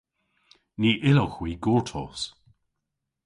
Ny yllowgh hwi gortos!